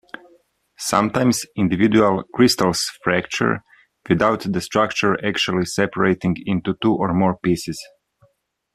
Sometimes, individual crystals fracture without the structure actually separating into two or more pieces.